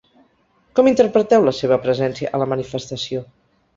Com interpreteu la seva presència a la manifestació?